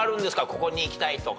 ここに行きたいとか。